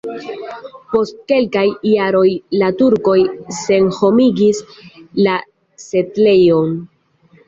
Post kelkaj jaroj la turkoj senhomigis la setlejon.